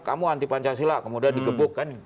kamu anti pancasila kemudian dikebuk kan